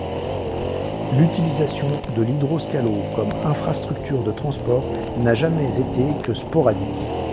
L'utilisation de l'Idroscalo comme infrastructure de transport n'a jamais été que sporadique.